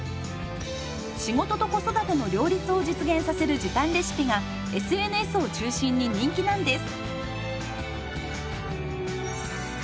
仕事と子育ての両立を実現させる時短レシピがＳＮＳを中心に人気なんです。